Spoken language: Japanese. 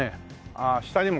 ああ下にも。